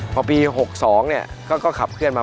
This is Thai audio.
พอปี๖๒ก็ขับเคลื่อนมา